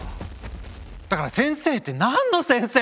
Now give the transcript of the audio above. だから先生って何の先生？